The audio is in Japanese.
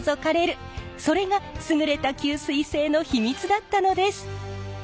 それが優れた吸水性の秘密だったのです。